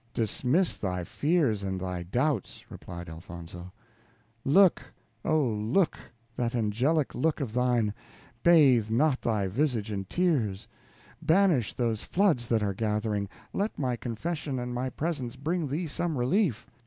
"Dismiss thy fears and thy doubts," replied Elfonzo. "Look, O! look: that angelic look of thine bathe not thy visage in tears; banish those floods that are gathering; let my confession and my presence bring thee some relief."